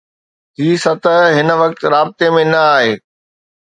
هي سطح هن وقت رابطي ۾ نه آهي